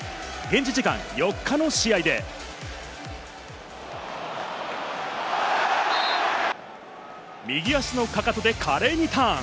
現地時間４日の試合で、右足のかかとで華麗にターン。